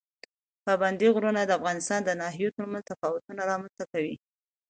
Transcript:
پابندی غرونه د افغانستان د ناحیو ترمنځ تفاوتونه رامنځ ته کوي.